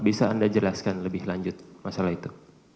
bisa anda jelaskan lebih lanjut masalah itu